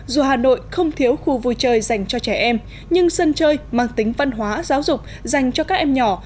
dù hà nội không thiếu khu vui chơi dành cho trẻ em nhưng sân chơi mang tính văn hóa giáo dục dành cho các em nhỏ